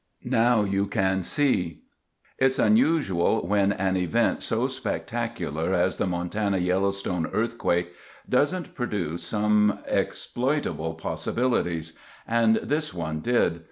(Montana Highway Commission)] NOW YOU CAN SEE It's unusual when an event so spectacular as the Montana Yellowstone Earthquake doesn't produce some exploitable possibilities, and this one did.